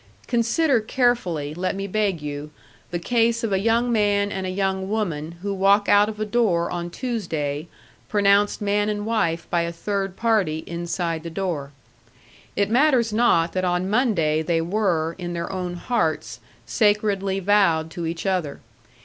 Consider carefully, let me beg you, the case of a young man and a young woman who walk out of a door on Tuesday, pronounced man and wife by a third party inside the door. It matters not that on Monday they were, in their own hearts, sacredly vowed to each other.